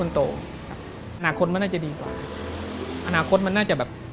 ตอนแรกก็รู้สึกโกรธนิดครับ